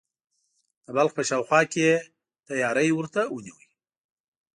د بلخ په شاوخوا کې یې تیاری ورته ونیوی.